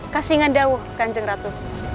kasih ngandau kanjeng ratu